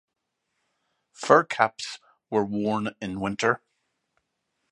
Fur caps were worn in winter.